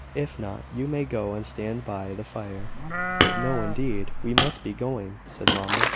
"If not, you may go and stand by the fire." "No, indeed; we must be going," said mamma.